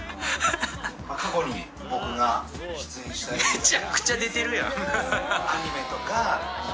めちゃくちゃ出てるやん。